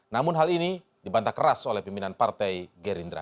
namun hal ini dibantah keras oleh pimpinan partai gerindra